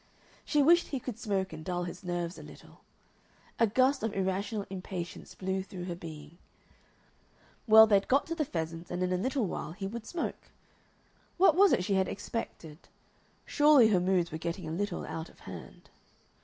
She wished he could smoke and dull his nerves a little. A gust of irrational impatience blew through her being. Well, they'd got to the pheasants, and in a little while he would smoke. What was it she had expected? Surely her moods were getting a little out of hand.